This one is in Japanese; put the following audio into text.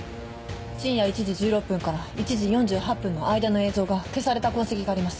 深夜１時１６分から１時４８分の間の映像が消された痕跡があります。